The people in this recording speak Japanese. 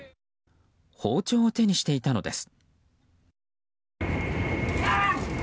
包丁を手にしていたのです。